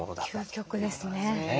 究極ですね。